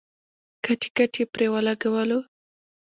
که ټکټ یې پرې ولګولو.